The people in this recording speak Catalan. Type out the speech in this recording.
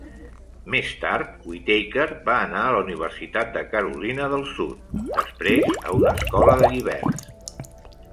Més tard, Whittaker va anar a la Universitat de Carolina del Sud, després a una escola de lliberts.